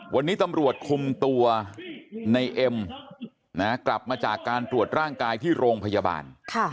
วันนี้ตำรวจคุมตัวในเอ็มกลับมาจากการตรวจร่างกายที่โรงพยาบาล